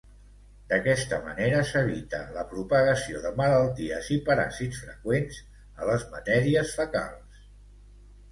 D'aquesta manera, s'evita la propagació de malalties i paràsits freqüents a les matèries fecals.